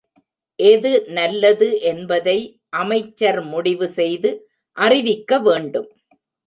எது நல்லது என்பதை அமைச்சர் முடிவு செய்து அறிவிக்க வேண்டும்.